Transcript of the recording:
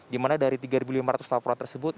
dimana dari tiga lima ratus laporan tersebut